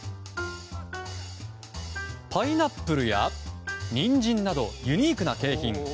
パイナップルやニンジンなどユニークな景品。